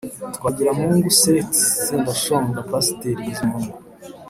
twagiramungu, seti sendashonga, pasiteri bizimungu,